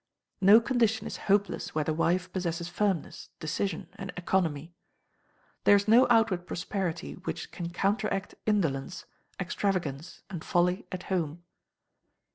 No condition is hopeless where the wife possesses firmness, decision, and economy. There is no outward prosperity which can counteract indolence, extravagance, and folly at home.